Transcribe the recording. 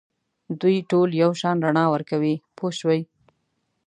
دوی ټول یو شان رڼا ورکوي پوه شوې!.